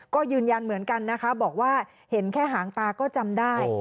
ก็ยืนยันเหมือนกันนะคะบอกว่าเห็นแค่หางตาก็จำได้